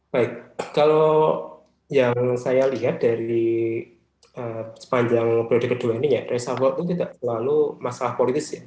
baik kalau yang saya lihat dari sepanjang periode kedua ini ya reshuffle itu tidak selalu masalah politis ya